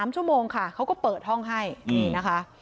๓ชั่วโมงค่ะเขาก็เปิดห้องให้นี่นะคะ